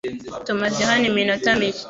Tumaze hano iminota mike.